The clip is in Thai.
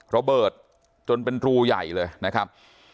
ระเบิดจนเป็นรูใหญ่เลยนะครับ